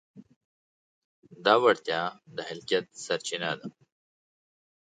دا وړتیا د خلاقیت سرچینه ده.